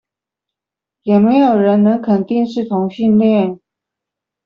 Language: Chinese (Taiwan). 也沒有人能肯定是同性戀